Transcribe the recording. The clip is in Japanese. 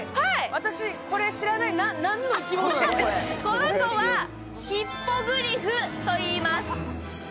この子はヒッポグリフと言います。